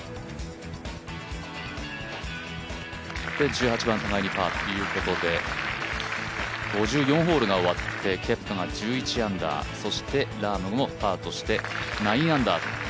１８番、パーということで５４ホールが終わってケプカが１１アンダー、ラームもパーとして９アンダー。